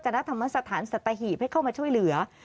ณธรรมสถานสัตหีบให้เข้ามาช่วยเหลือ